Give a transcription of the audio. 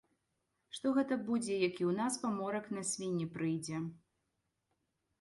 Што гэта будзе, як і ў нас паморак на свінні прыйдзе.